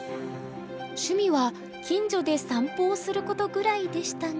趣味は近所で散歩をすることぐらいでしたが。